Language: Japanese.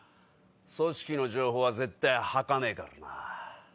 組織の情報は絶対吐かねえからな。